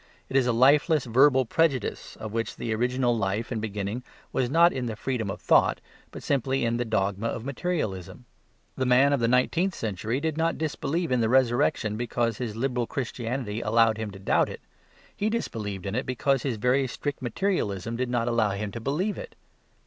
It is a lifeless verbal prejudice of which the original life and beginning was not in the freedom of thought, but simply in the dogma of materialism. The man of the nineteenth century did not disbelieve in the Resurrection because his liberal Christianity allowed him to doubt it. He disbelieved in it because his very strict materialism did not allow him to believe it.